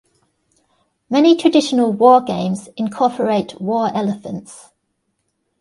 Many traditional war games incorporate war elephants.